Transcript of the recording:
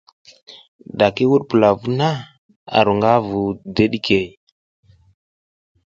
Da ki wuɗ pula vuh na, a ru nga vu dideɗikey.